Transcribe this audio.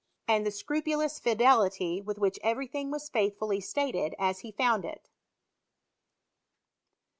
199 and the scrupulous fidelity with which every thing was faithfully stated as he found it.